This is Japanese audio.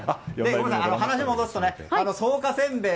話を戻すと、草加せんべい